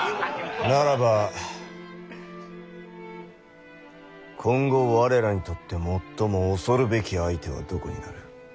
ならば今後我らにとって最も恐るべき相手はどこになる？